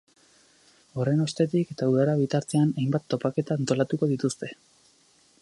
Horren ostetik eta udara bitartean, hainbat topaketa antolatuko dituzte.